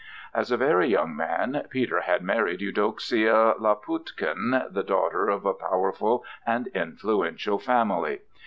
As a very young man Peter had married Eudoxia Laputkin, the daughter of a powerful and influential family.